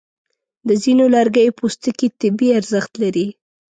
د ځینو لرګیو پوستکي طبي ارزښت لري.